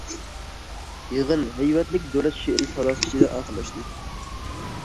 يىغىن ھەيۋەتلىك دۆلەت شېئىرى ساداسى ئىچىدە ئاخىرلاشتى.